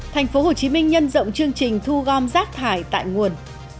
thành phố hồ chí minh nhân rộng chương trình thu gom rác thải tại nguồn